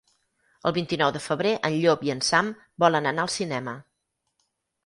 El vint-i-nou de febrer en Llop i en Sam volen anar al cinema.